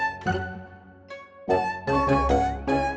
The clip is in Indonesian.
lalu ke rumah si murad